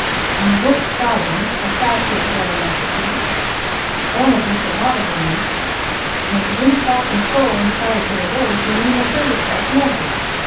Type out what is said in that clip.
an' he wa'n't starvin'. I saw to it that he had enough ter eat an' a dish o' water handy. An' if he didn't flop an' pull an' try ter get away he needn't 'a' hurt hisself never.